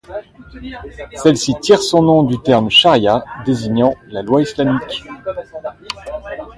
Celle-ci tire son nom du terme charia, désignant la loi islamique.